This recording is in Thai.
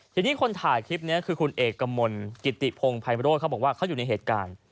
ทีนี้คนถ่ายคลิปนี้คือคุณเอกมลกิติพงภัยโรธเขาบอกว่าเขาอยู่ในเหตุการณ์